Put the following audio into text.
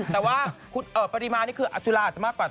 แต่ว่าปริมาณนี่คืออัจุลาอาจจะมากกว่า